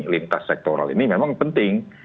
lintas sektoral ini memang penting